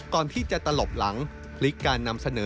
ก่อนที่จะตลบหลังพลิกการนำเสนอ